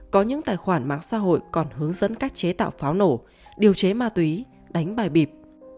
có những tài khoản mạng xã hội còn hướng dẫn cách chế tạo pháo nổ điều chế ma túy đánh bài bịp